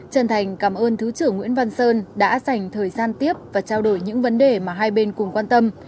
trần thành cảm ơn thứ trưởng nguyễn văn sơn đã dành thời gian tiếp và trao đổi những vấn đề mà hai bên cùng quan tâm